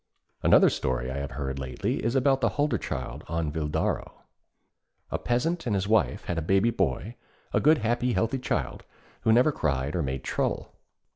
_' Another story I have heard lately is about a Hulderchild on Videró. A peasant and his wife had a baby boy, a good happy healthy child, who never cried or made trouble.